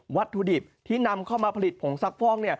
วัตถุดิบที่นำเข้ามาผลิตผงซักฟอก